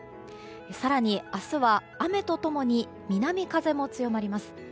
更に明日は、雨と共に南風も強まります。